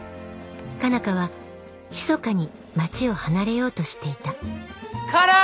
佳奈花はひそかに町を離れようとしていたカナ！